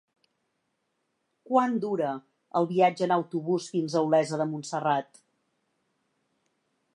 Quant dura el viatge en autobús fins a Olesa de Montserrat?